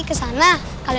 gak emang kwh